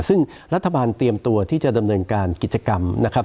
ซึ่งรัฐบาลเตรียมตัวที่จะดำเนินการกิจกรรมนะครับ